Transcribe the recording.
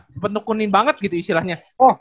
sempet nekunin banget gitu istilahnya